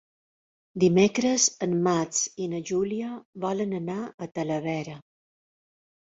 Dimecres en Max i na Júlia volen anar a Talavera.